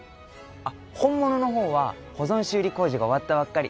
あっ本物の方は保存修理工事が終わったばっかり。